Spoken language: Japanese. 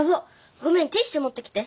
ごめんティッシュもってきて。